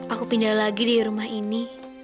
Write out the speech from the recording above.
aku pindah lagi di rumah ini